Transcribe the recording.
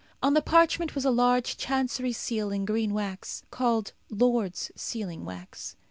On the parchment was a large Chancery seal in green wax, called Lords' sealing wax.